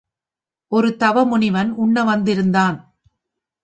ஒரு தவ முனிவன் உண்ண வந்திருந்தான்.